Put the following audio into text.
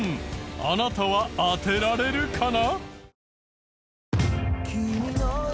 あなたは当てられるかな？